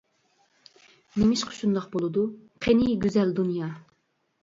نېمىشقا شۇنداق بولىدۇ؟ قېنى گۈزەل دۇنيا!